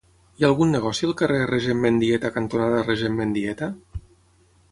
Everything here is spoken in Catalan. Hi ha algun negoci al carrer Regent Mendieta cantonada Regent Mendieta?